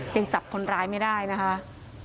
ยังจับคนร้ายไม่ได้นะคะ